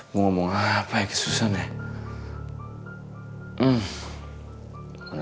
mau ngomong apa ya kesusahan ya